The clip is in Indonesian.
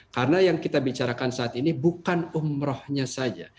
karena yang kita bicarakan saat ini bukan umrohnya saja